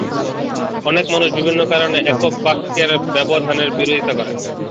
অনেক মানুষ বিভিন্ন কারণে একক বাক্যের ব্যবধানের বিরোধিতা করে।